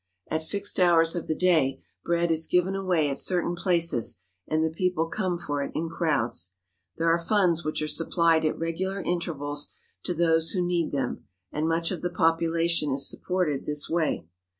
At fixed hours of the day bread is given away at certain places and the people come for it in crowds. There are funds which are supplied at regular intervals to those who need them, and much of the population is supported this way.